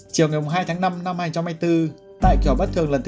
chiều ngày hai tháng năm năm hai nghìn hai mươi bốn tại kiểu bất thường lần thứ bốn